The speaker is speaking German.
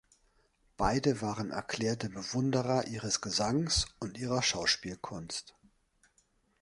Beide waren erklärte Bewunderer ihres Gesangs und ihrer Schauspielkunst.